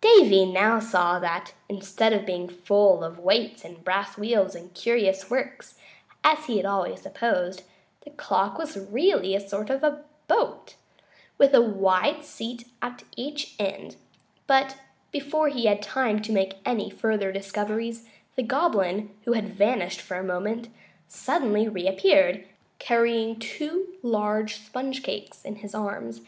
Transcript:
Davy now saw that, instead of being full of weights and brass wheels and curious works, as he had always supposed, the clock was really a sort of boat, with a wide seat at each end; but, before he had time to make any further discoveries, the Goblin, who had vanished for a moment, suddenly reappeared, carrying two large sponge cakes in his arms.